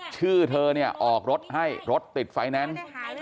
ชื่อเธอเนี่ยออกรถให้รถติดไฟแนนซ์